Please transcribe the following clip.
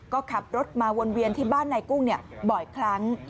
ก็ขับรถมาวนเวียนที่บ้านนายกุ้งบ่อยครั้ง